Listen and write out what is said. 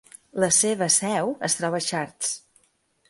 La seva seu es troba a Chartres.